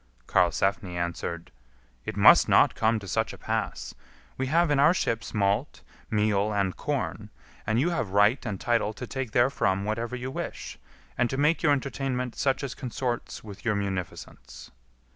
Karlsefni answered, "It must not come to such a pass; we have in our ships malt, meal, and corn, and you have right and title to take therefrom whatever you wish, and to make your entertainment such as consorts with your munificence."